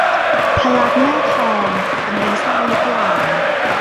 พระลักษมณ์หน้าทอง เป็นดีซ่านหรือเปล่า